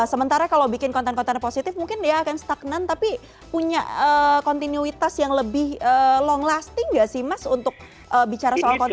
sementara kalau bikin konten konten positif mungkin dia akan stagnan tapi punya kontinuitas yang lebih long lasting gak sih mas untuk bicara soal konten